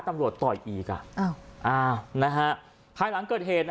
ก็แค่มีเรื่องเดียวให้มันพอแค่นี้เถอะ